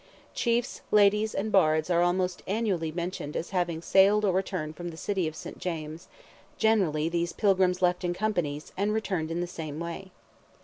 Chiefs, Ladies, and Bards, are almost annually mentioned as having sailed or returned from the city of St. James; generally these pilgrims left in companies, and returned in the same way.